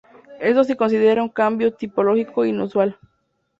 Esto se considera un cambio tipológico inusual.